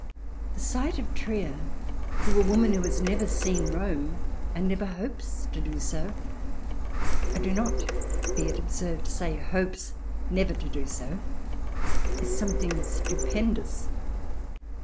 The sight of Trier to a woman who has never seen Rome and never hopes to do so — I do not, be it observed, say hopes never to do so — is something stupendous.